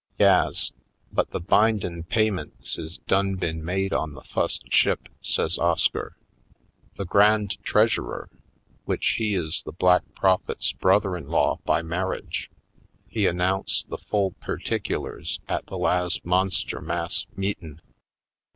"Yas, but the bindin' paymints is done been made on the fust ship," says Oscar. "The Grand Treasurer, w'ich he is the Black Prophet's brother in law by mar riage, he announce' the full perticulars at the las' monster mass meetin'.